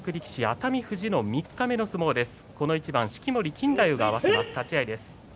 熱海富士の三日目の相撲です。